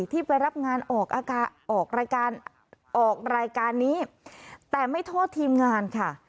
ที่ไปรับงานออกรายการนี้แต่ไม่โทษทีมงานค่ะ